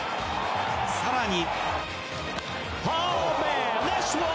更に。